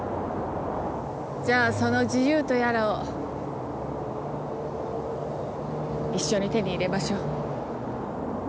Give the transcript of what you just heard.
じゃあその自由とやらを一緒に手に入れましょう。